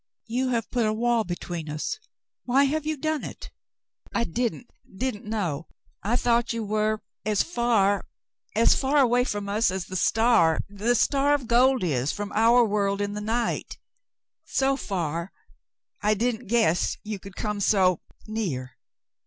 "You have put a wall between us. Why have you done it?" "I didn't — didn't know; I thought you were — as far — as far away from us as the star — the star of gold is — from our world in the night — so far — I didn't guess — you could come so — near."